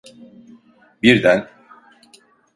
Birden…